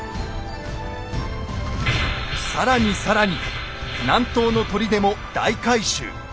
更に更に南東の砦も大改修。